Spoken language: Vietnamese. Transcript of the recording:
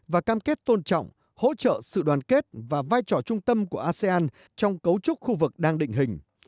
và cam kết tôn trọng hỗ trợ sự đoàn kết và vai trò trung tâm của asean trong cấu trúc khu vực đang định hình